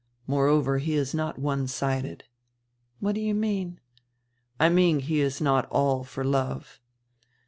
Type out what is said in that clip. Moreover, he is not one sided." "What do you mean?" "I mean he is not all for love."